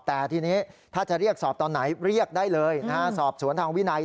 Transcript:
แต่ทีนี้ถ้าจะเรียกสอบตอนไหนเรียกได้เลยนะฮะสอบสวนทางวินัย